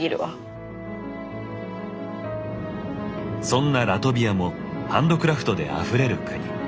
そんなラトビアもハンドクラフトであふれる国。